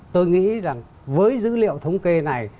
tôi nghĩ rằng với dữ liệu thống kê này